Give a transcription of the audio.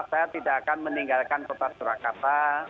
saya tidak akan meninggalkan kota surakarta